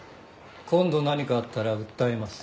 今度何かあったら訴えます。